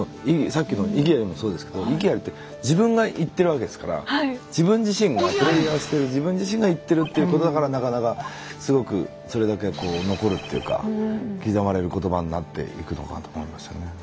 さっきの「異議あり！」もそうですけど「異議あり！」って自分が言ってるわけですから自分自身がプレイヤーをしてる自分自身が言ってるっていうことだからなかなかすごくそれだけこう残るっていうか刻まれる言葉になっていくのかと思いますよね。